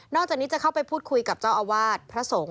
จากนี้จะเข้าไปพูดคุยกับเจ้าอาวาสพระสงฆ์